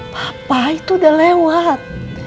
papa itu udah lewat